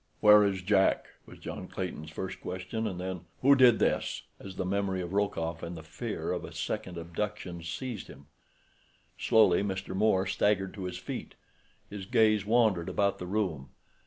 "Where is Jack?" was John Clayton's first question, and then; "Who did this?" as the memory of Rokoff and the fear of a second abduction seized him. Slowly Mr. Moore staggered to his feet. His gaze wandered about the room.